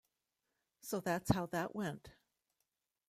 So that's how that went.